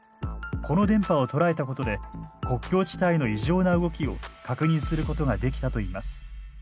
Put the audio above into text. この電波を捉えたことで国境地帯の異常な動きを確認することができたといいます。